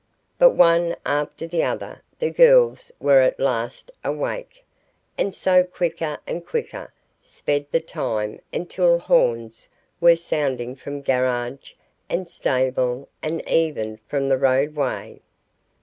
But, one after the other, the girls were at last awake, and so, quicker and quicker, sped the time until horns were sounding from garage and stable and even from the roadway.